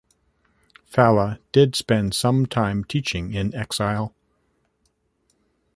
Falla did spend some time teaching in exile.